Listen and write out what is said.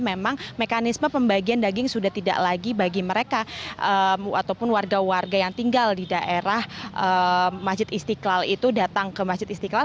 memang mekanisme pembagian daging sudah tidak lagi bagi mereka ataupun warga warga yang tinggal di daerah masjid istiqlal itu datang ke masjid istiqlal